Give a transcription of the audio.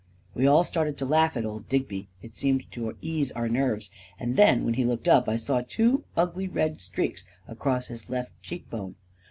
We all started to laugh at old Digby — it seemed to ease our nerves — and then, when he looked up, I saw two ugly red streaks across his left cheek bone.